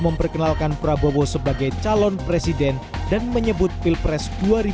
memperkenalkan prabowo sebagai calon presiden dan menyebut pilpres